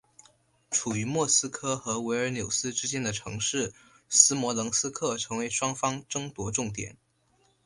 处于莫斯科和维尔纽斯之间的城市斯摩棱斯克成为双方争夺重点。